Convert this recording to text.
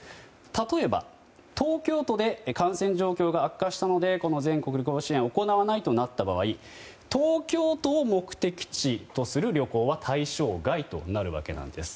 例えば、東京都で感染状況が悪化したのでこの全国旅行支援は行わないとなった場合東京都を目的地とする旅行は対象外となるわけなんです。